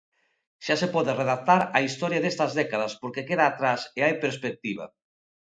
Xa se pode redactar a historia destas décadas porque queda atrás e hai perspectiva.